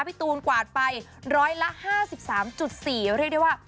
พี่ตูนกวาดไปร้อยละ๕๓๔เรียกได้ว่า